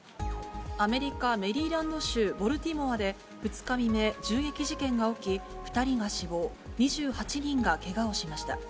アメリカ・メリーランド州ボルティモアで２日未明、銃撃事件が起き、２人が死亡、２８人がけがをしました。